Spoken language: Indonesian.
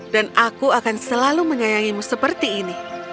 dan aku akan selalu menyayangimu seperti ini